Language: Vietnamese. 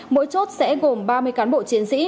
mỗi chốt sẽ gồm ba mươi cán bộ chiến sĩ